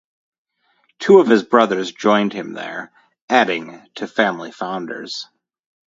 Two of his brothers joined him there, adding to family founders.